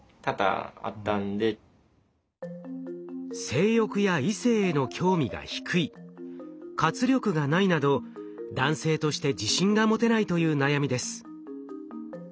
性欲や異性への興味が低い活力がないなど男性として自信が持てないという悩みです。